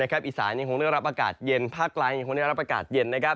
อีสานยังคงได้รับอากาศเย็นภาคกลางยังคงได้รับอากาศเย็น